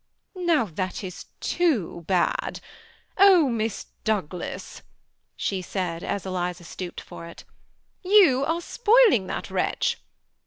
"Now that is too bad. Oh, Miss Douglas," she said, as Eliza stooped for it, "you are spoiling that wretch